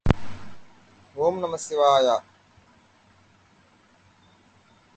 The procession ends at the Heian Shrine.